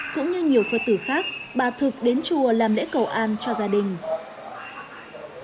cũng như nhiều phật tử khác bà thực đến chùa làm lễ cầu an cho gia đình